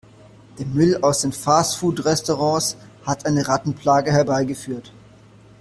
Der Müll aus den Fast-Food-Restaurants hat eine Rattenplage herbeigeführt.